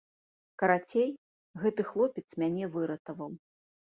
Карацей, гэты хлопец мяне выратаваў.